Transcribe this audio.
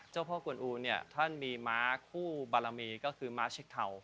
เจ้าพ่อกวนอูเนี่ยท่านมีม้าคู่บารมีก็คือม้าเช็คเทา